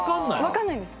分かんないです。